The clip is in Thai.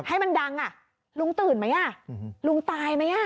ให้มันดังอ่ะลุงตื่นไหมอ่ะลุงตายไหมอ่ะ